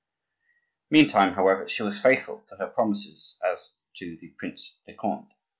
Meantime, however, she was faithful to her promises as to the Prince de Conde.